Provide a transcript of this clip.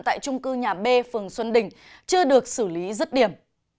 tại trung cư nhà b phường xuân đình chưa được xử lý rứt điểm